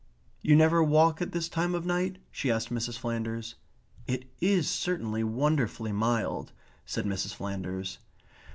"You never walk at this time of night?" she asked Mrs. Flanders. "It is certainly wonderfully mild," said Mrs. Flanders.